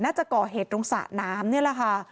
น่าจะก่อเหตุตรงสระน้ำนี่แหละค่ะ